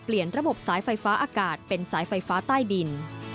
ระบบสายไฟฟ้าอากาศเป็นสายไฟฟ้าใต้ดิน